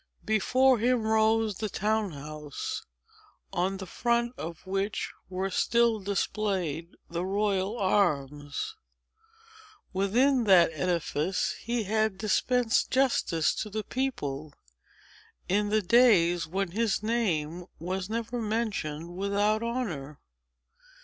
Before him rose the town house, on the front of which were still displayed the royal arms. Within that edifice he had dispensed justice to the people, in the days when his name was never mentioned without honor.